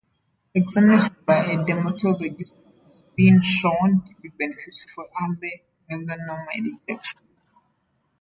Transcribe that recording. Examination by a dermatologist has been shown to be beneficial for early melanoma detection.